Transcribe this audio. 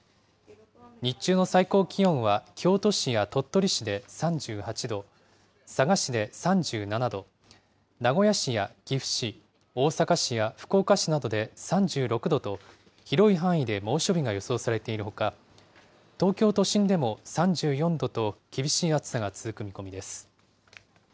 日中の最高気温は、京都市や鳥取市で３８度、佐賀市で３７度、名古屋市や岐阜市、大阪市や福岡市などで３６度と、広い範囲で猛暑日が予想されているほか、東京都心でも３４度と、厳しい暑さが続く見込みです。